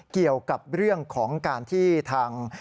เกี่ยวกับเรื่องของการที่ทาง